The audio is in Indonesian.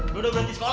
dodo berhenti sekolah